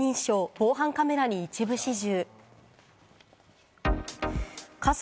防犯カメラに一部始終。